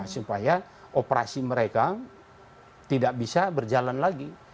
supaya operasi mereka tidak bisa berjalan lagi